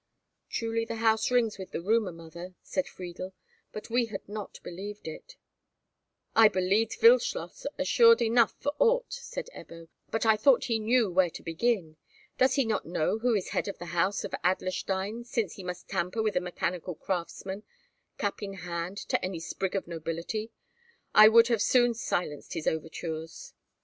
"Truly the house rings with the rumour, mother," said Friedel, "but we had not believed it." "I believed Wildschloss assured enough for aught," said Ebbo, "but I thought he knew where to begin. Does he not know who is head of the house of Adlerstein, since he must tamper with a mechanical craftsman, cap in hand to any sprig of nobility! I would have soon silenced his overtures!"